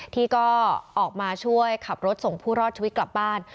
ที่ก็ออกมาช่วยขับรถส่งผู้รอดชีวิตกลับบ้าน